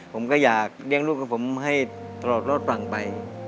ผมก็อยากเลี้ยงลูกกับผมให้ตลอดรอดฝั่งไป